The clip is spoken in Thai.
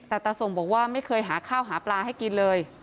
แต่ตาส่งบอกว่าไม่เคยหาข้าวหาปลาให้กินเลย